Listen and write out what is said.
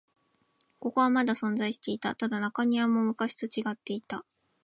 ここはまだ存在していた。ただ、中庭も昔と違っていた。